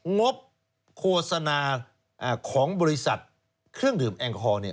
งบโฆษณาของบริษัทเครื่องดื่มแอลกอฮอล์เนี่ย